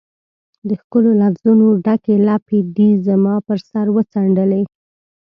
د ښکلو لفظونو ډکي لپې دي زما پر سر وڅنډلي